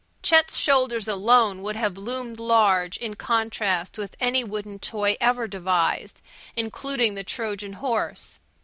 Chet's shoulders alone would have loomed large in contrast with any wooden toy ever devised, including the Trojan horse.